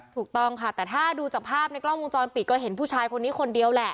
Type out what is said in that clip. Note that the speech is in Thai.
ถูกต้องค่ะแต่ถ้าดูจากภาพในกล้องวงจรปิดก็เห็นผู้ชายคนนี้คนเดียวแหละ